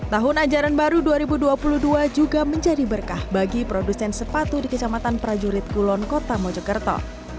tahun ajaran baru dua ribu dua puluh dua juga menjadi berkah bagi produsen sepatu di kecamatan prajurit kulon kota mojokerto